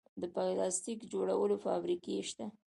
د پلاستیک جوړولو فابریکې شته